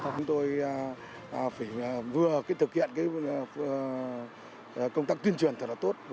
chúng tôi vừa thực hiện công tác tuyên truyền thật là tốt